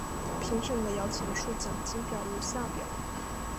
评审的摇钱树奖金表如下表。